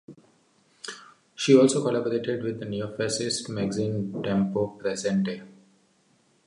She also collaborated with the neofascist magazine "Tempo Presente".